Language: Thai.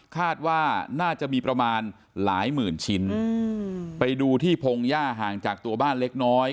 คาดว่าน่าจะมีประมาณหลายหมื่นชิ้นไปดูที่พงหญ้าห่างจากตัวบ้านเล็กน้อย